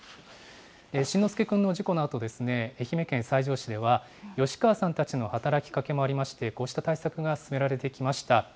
慎之介くんの事故のあと、愛媛県西条市では、吉川さんたちの働きかけもありまして、こうした対策が進められてきました。